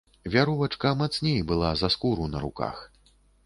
Вяровачка мацней была за скуру на руках.